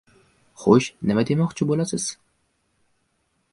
— Xo‘sh, nima demoqchi bo‘lasiz?